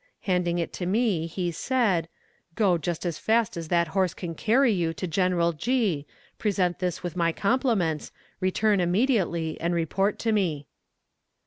Handing it to me he said "Go just as fast as that horse can carry you to General G., present this with my compliments, return immediately, and report to me."